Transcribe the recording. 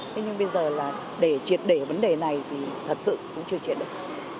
thế nhưng bây giờ là để triệt đề vấn đề này thì thật sự cũng chưa triệt được